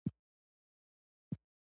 تاسو کوم مهارتونه لری ؟